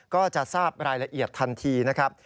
ก็จะทราบรายละเอียดทันทีนะครับ